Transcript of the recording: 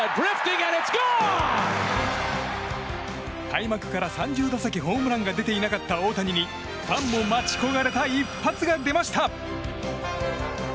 開幕から３０打席ホームランが出ていなかった大谷にファンも待ち焦がれた一発が出ました。